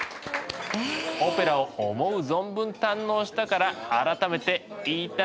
オペラを思う存分堪能したから改めていただきます。